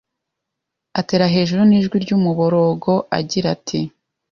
atera hejuru n'ijwi ry'umuborogo agira ati :